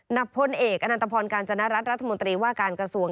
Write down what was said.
นับพลเอกอการจนรัฐรัฐมนตรีว่าการกระทรวง